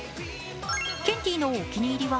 ケンティのお気に入りは？